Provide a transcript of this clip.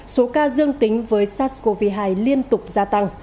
số ca dương tính với sars cov hai liên tục gia tăng